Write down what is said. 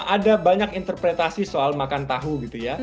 ada banyak interpretasi soal makan tahu gitu ya